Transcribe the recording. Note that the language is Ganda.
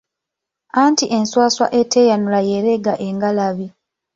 Anti enswaswa eteeyanula y’ereega engalabi.